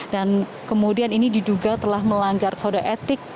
dan kemudian ini diduga telah melanggar kode etik